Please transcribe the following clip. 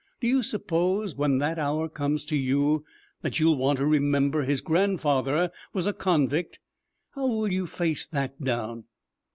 Do you suppose when that hour comes to you that you'll want to remember his grandfather was a convict? How will you face that down?'